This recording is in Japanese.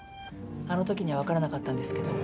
あのときにはわからなかったんですけど。